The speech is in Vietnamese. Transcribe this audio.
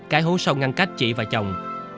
cái hố sâu ngăn cách chị và chồng